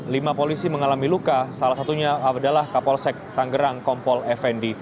lima polisi mengalami luka salah satunya adalah kapolsek tanggerang kompol fnd